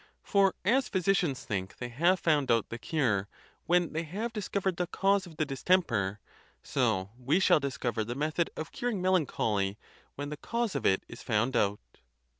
For as physicians think they have found out the cure when they have discovered the cause of the dis temper, so we shall discover the method of curing melan choly when the cause of it is found out.